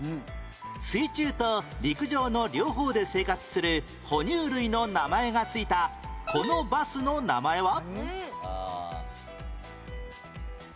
水中と陸上の両方で生活するほ乳類の名前がついたこのバスの名前は？